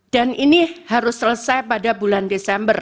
dan ini harus selesai pada bulan desember